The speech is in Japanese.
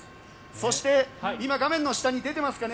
そして、今画面の下に出ていますかね。